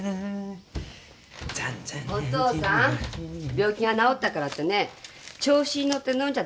病気が治ったからってね調子に乗って飲んじゃダメよ。